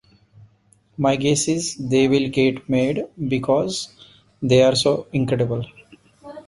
My guess is they will get made because they're so incredible.